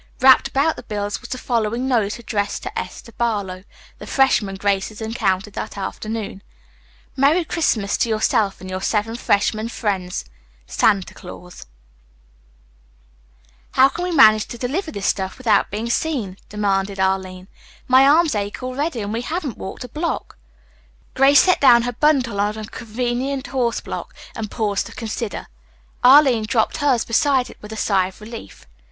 Wrapped about the bills was the following note addressed to Esther Barlow, the freshman Grace had encountered that afternoon: "Merry Christmas to yourself and your seven freshmen friends. Santa Claus." [Illustration: Each Girl Carried an Unwieldy Bundle.] "How can we manage to deliver this stuff without being seen?" demanded Arline. "My arms ache already, and we haven't walked a block." Grace set down her bundle on a convenient horse block and paused to consider. Arline dropped hers beside it with a sigh of relief.